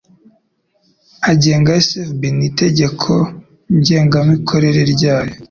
agenga SFB n itegeko ngengamikorere ryayo